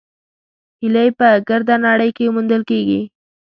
هیلۍ په ګرده نړۍ کې موندل کېږي